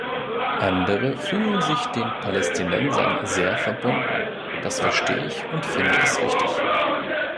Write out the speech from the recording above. Andere fühlen sich den Palästinensern sehr verbunden, das verstehe ich und finde es richtig.